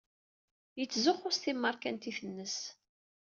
Yettzuxxu s timmeṛkantit-nnes.